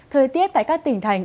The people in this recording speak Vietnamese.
thời tiết tại các tỉnh thành